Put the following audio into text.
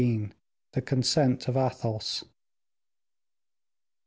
The Consent of Athos.